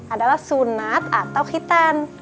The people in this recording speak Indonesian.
adalah sunat atau khitan